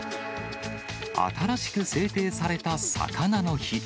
新しく制定されたさかなの日。